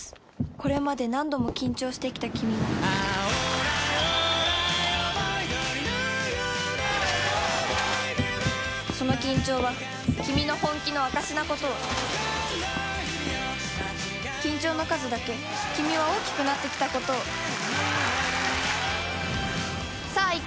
これまで何度も緊張してきたキミをその緊張はキミの本気の証しなことを緊張の数だけキミは大きくなってきたことをさぁいけ！